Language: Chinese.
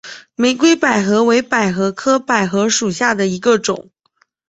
玫红百合为百合科百合属下的一个种。